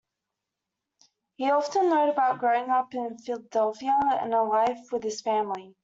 He often wrote about growing up in Philadelphia, and of life with his family.